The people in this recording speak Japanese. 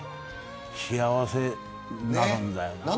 幸せなるんだよな。